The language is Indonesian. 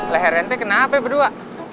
lerente kenapa berdua